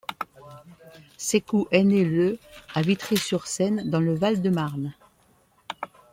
Sekou est né le à Vitry-sur-Seine, dans le Val-de-Marne.